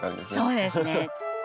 そうですね。